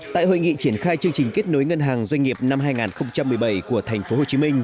tại hội nghị triển khai chương trình kết nối ngân hàng doanh nghiệp năm hai nghìn một mươi bảy của tp hcm